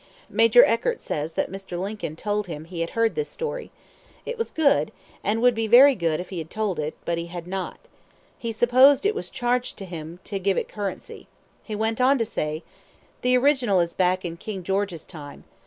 Major Eckert says that Mr. Lincoln told him he had heard this story. It was good, and would be very good if he had told it but he did not. He supposed it was "charged to him to give it currency." He went on to say: "The original is back in King George's time.